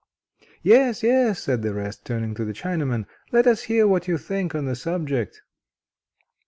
"Yes, yes," said the rest, turning to the Chinaman, "let us hear what you think on the subject."